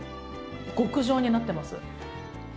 極上になってます。